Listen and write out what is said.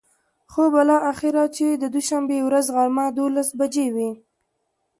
خو بلااخره چې د دوشنبې ورځ غرمه ،دولس بچې وې.